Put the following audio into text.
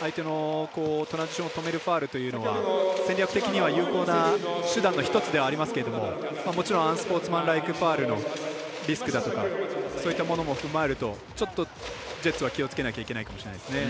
相手のトランジションを止めるファウルというのは戦略的には有効な手段の一つではありますけど、もちろんアンスポーツマンファウルのリスクだとか、そういったものも踏まえるとちょっとジェッツは気をつけないといけないかもしれないですね。